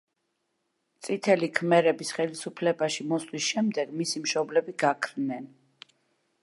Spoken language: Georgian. წითელი ქმერების ხელისუფლებაში მოსვლის შემვეგ მისი მშობლები გაქრნენ.